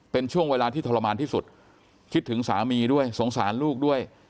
เป็นช่วงเวลาที่ทรมานที่สุดคิดถึงสามีด้วยสงสารลูกด้วย